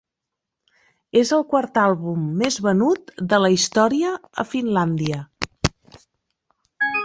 És el quart àlbum més venut de la història a Finlàndia.